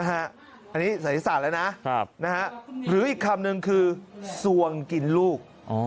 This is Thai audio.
อันนี้ศัยศาสตร์แล้วนะหรืออีกคำนึงคือสวงกินลูก